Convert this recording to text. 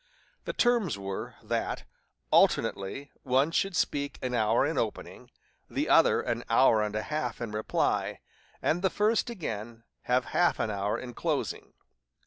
The terms were, that, alternately, one should speak an hour in opening, the other an hour and a half in reply, and the first again have half an hour in closing.